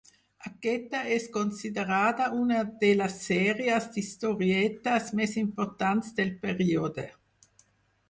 Aquesta és considerada una de les sèries d'historietes més importants del període.